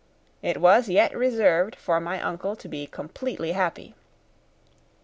it was yet reserved for my uncle to be completely happy.